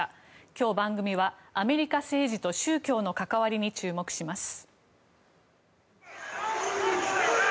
今日、番組は、アメリカ政治と宗教の関わりに注目します。